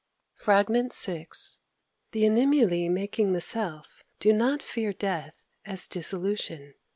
Fr. VI ... "The Animulæ making the Self do not fear death as dissolution.